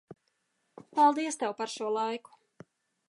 Paldies Tev, par šo laiku.